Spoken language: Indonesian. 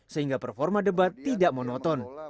sehingga performa debat tidak monoton